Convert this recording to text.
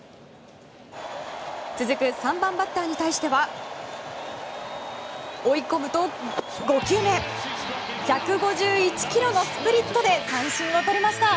続く３番バッターに対しては追い込むと５球目１５１キロのスプリットで三振をとりました。